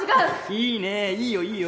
いいねいいよいいよ